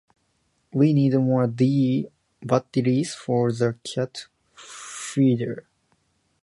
We need more "D" batteries for the cat feeder.